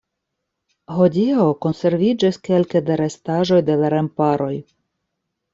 Hodiaŭ konserviĝis kelke da restaĵoj de la remparoj.